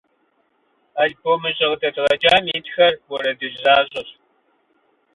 Албомыщӏэ къыдэдгъэкӏам итхэр уэрэдыжь защӏэщ.